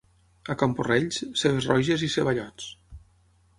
A Camporrells, cebes roges i ceballots.